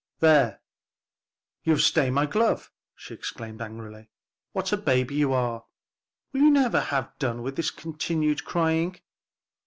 "There you have stained my glove!" she exclaimed angrily. "What a baby you are! will you never have done with this continued crying?"